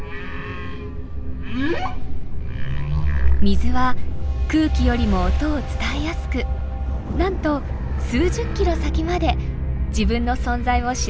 水は空気よりも音を伝えやすくなんと数十キロ先まで自分の存在を知らせることができます。